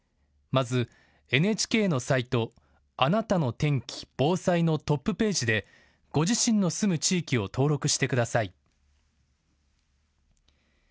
まずＮＨＫのサイト、あなたの天気・防災のトップページで、ご自身の住む地域を登録してください。